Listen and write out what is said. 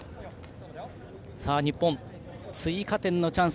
日本、追加点のチャンス